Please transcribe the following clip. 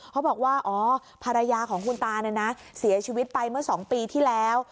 เขาบอกว่าอ๋อภรรยาของคุณตาเนี่ยนะเสียชีวิตไปเมื่อ๒ปีที่แล้ว